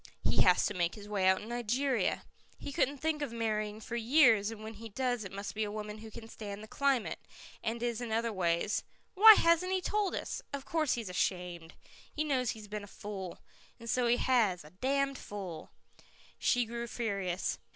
"He has to make his way out in Nigeria. He couldn't think of marrying for years and when he does it must be a woman who can stand the climate, and is in other ways Why hasn't he told us? Of course he's ashamed. He knows he's been a fool. And so he has a damned fool." She grew furious.